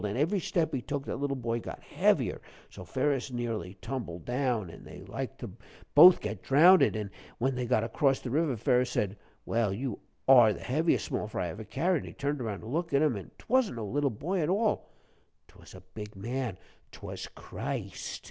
An' every step he took that little boy got heavier, so Ferus nearly tumbled down an' they liked to both got drownded. An' when they got across the river Ferus said, 'Well, you are the heaviest small fry I ever carried,' and he turned around to look at him, an' 'twasn't no little boy at all 'twas a big man 'twas Christ.